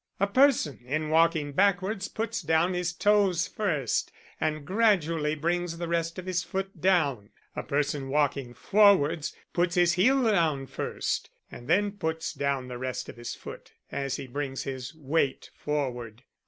A person in walking backwards puts down his toes first, and gradually brings the rest of his foot down; a person walking forwards puts his heel down first and then puts down the rest of his foot as he brings his weight forward.